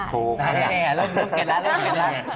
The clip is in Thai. ถูกเริ่มรู้เกิดแล้ว